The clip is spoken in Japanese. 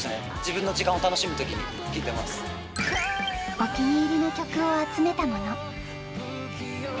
お気に入りの曲を集めたもの。